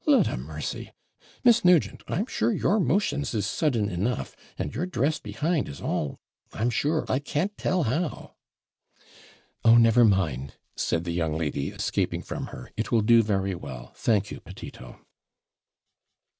Lud a mercy! Miss Nugent, I'm sure your motions is sudden enough; and your dress behind is all, I'm sure, I can't tell how.' 'Oh, never mind,' said the young lady, escaping from her; 'it will do very well, thank you, Petito.'